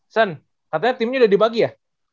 sen katanya timnya udah dibagi ya